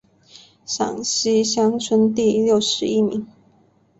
陕西乡试第六十一名。